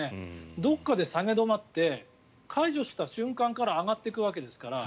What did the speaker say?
どこかで下げ止まって解除した瞬間から上がっていくわけですから。